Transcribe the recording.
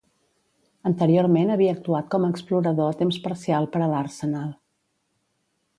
Anteriorment havia actuat com a explorador a temps parcial per a l'Arsenal.